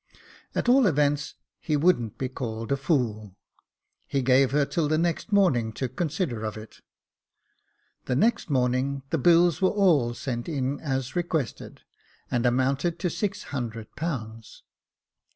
At all events, he wouldn't be called a fool. He gave her till the next morning to consider of it. The next morning the bills were all sent in as requested, and amounted to six hundred pounds.